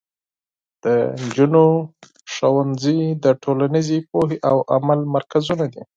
د نجونو ښوونځي د ټولنیزې پوهې او عمل مرکزونه دي.